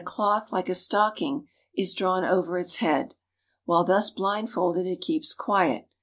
cloth like a stocking is drawn over its head. While thus blindfolded it keeps quiet.